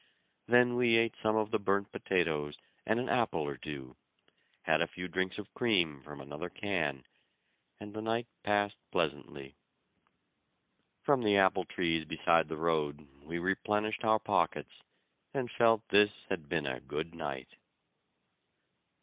Then we ate some of the burnt potatoes and an apple or two, had a few drinks of cream from another can, and the night passed pleasantly. From the apple trees beside the road we replenished our pockets, and felt this had been a good night.